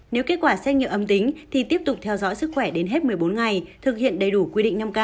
nếu kết quả xét nghiệm âm tính thì tiếp tục theo dõi sức khỏe đến hết một mươi bốn ngày thực hiện đầy đủ quy định năm k